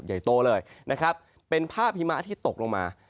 ใหญ่โตเลยนะครับเป็นภาพหิมะที่ตกลงมา